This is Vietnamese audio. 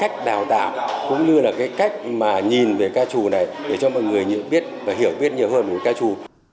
tạo cũng như là cái cách mà nhìn về ca trù này để cho mọi người biết và hiểu biết nhiều hơn về ca trù